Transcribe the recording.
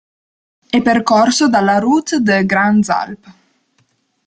È percorso dalla Route des Grandes Alpes.